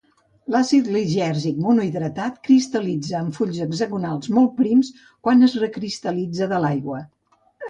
L'acid lisèrgic monohidrat cristal·litza en fulls hexagonals molt prims quan es recristal·litza de l'aigua.